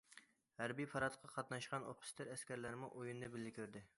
ھەربىي پاراتقا قاتناشقان ئوفىتسېر ئەسكەرلەرمۇ ئويۇننى بىللە كۆردى.